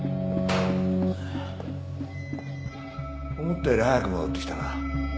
思ったより早く戻ってきたな。